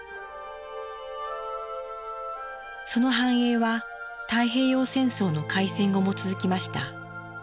その繁栄は太平洋戦争の開戦後も続きました。